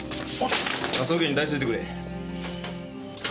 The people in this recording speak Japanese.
科捜研に出しといてくれ。